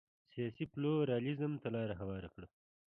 سیاسي پلورالېزم ته لار هواره کړه.